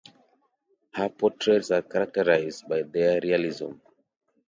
Her portraits are characterized by their realism.